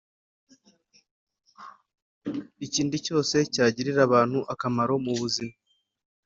ikindi cyose cyagirira abantu akamaro mu buzima.